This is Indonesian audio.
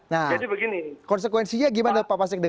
nah konsekuensinya gimana pak pasek